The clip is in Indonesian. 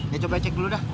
ya coba cek dulu dah